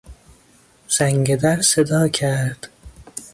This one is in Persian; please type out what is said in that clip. زنگ در صدا کرد.